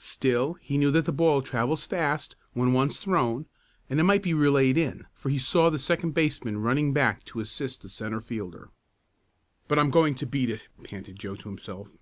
Still he knew that the ball travels fast when once thrown, and it might be relayed in, for he saw the second baseman running back to assist the centre fielder. "But I'm going to beat it!" panted Joe to himself.